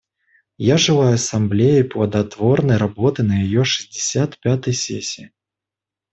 Я желаю Ассамблее плодотворной работы на ее шестьдесят пятой сессии.